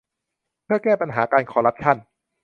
เพื่อแก้ปัญหาการคอร์รัปชั่น